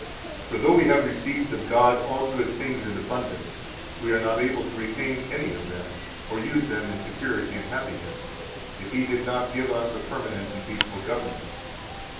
For though we have received of God all good things in abundance, we are not able to retain any of them or use them in security and happiness, if He did not give us a permanent and peaceful government.